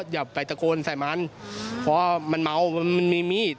อย่าไปตะโกนใส่มันเพราะว่ามันเมามันมีมีด